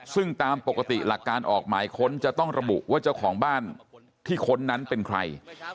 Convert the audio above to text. ซึ่งตามปกติหลักการออกหมายค้นจะต้องระบุว่าเจ้าของบ้านที่ค้นนั้นเป็นใคร